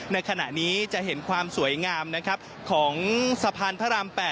ในขณะนี้จะเห็นความสวยงามนะครับของสะพานพระราม๘